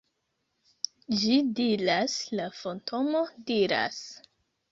Ĝi diras, la fantomo diras